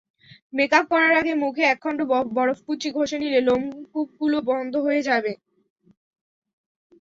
Makeup করার আগে মুখে একখণ্ড বরফকুচি ঘষে নিলে লোপকূপগুলো বন্ধ হয়ে যাবে।